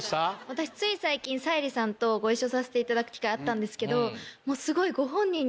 私つい最近沙莉さんとご一緒させていただく機会あったんですけどもうすごい。